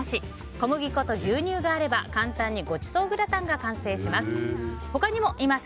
小麦粉と牛乳があれば簡単にごちそうグラタンが完成します。